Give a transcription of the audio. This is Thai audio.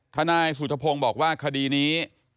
ทนายสุธพงศ์บอกว่าคดีนี้